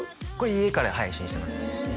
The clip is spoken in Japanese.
これ家から配信してます